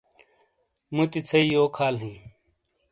موتی ژھئیی یوک حال ہِیں۔